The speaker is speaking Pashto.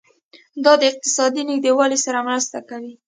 دا د اقتصادي نږدیوالي سره مرسته کوي.